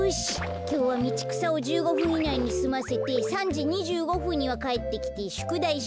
きょうはみちくさを１５ふんいないにすませて３じ２５ふんにはかえってきてしゅくだいします。